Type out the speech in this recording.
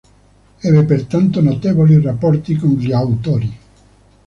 Ebbe pertanto notevoli rapporti con gli autori.